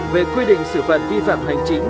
về quy định xử phạt vi phạm hành chính